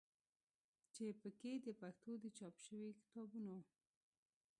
چې په کې د پښتو د چاپ شوي کتابونو